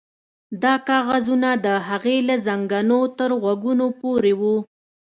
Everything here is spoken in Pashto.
دا کاغذونه د هغې له زنګنو تر غوږونو پورې وو